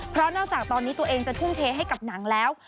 เพราะนอกจากตอนนี้ตัวเองจะทุ่มเทให้กับหนังแล้ว